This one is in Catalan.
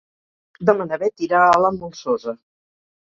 Demà na Beth irà a la Molsosa.